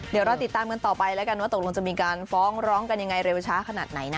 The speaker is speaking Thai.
เดี๋ยวเราติดตามกันต่อไปว่าจะมีการฟ้องร้องแรวช้าขนาดไหน